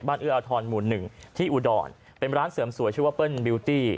เอื้ออทรหมู่หนึ่งที่อุดรเป็นร้านเสริมสวยชื่อว่าเปิ้ลบิวตี้